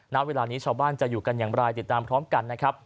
ณเวลานี้ชาวบ้านจะอยู่กันอย่างไรติดตามพร้อมกันนะครับ